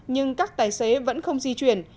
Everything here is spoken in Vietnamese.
nhưng các tài xế vẫn không di chuyển